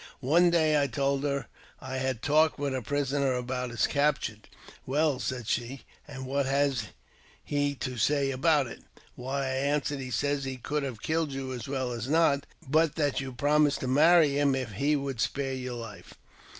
One day I told her I had talked with her prisoner about his capture. '* Well," said she, " and 1 what has he to say about it ?" "Why," I answered, "he says he could have killed you as well as not, but that you promised to marry him if he would spare your life."